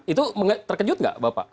itu terkejut nggak bapak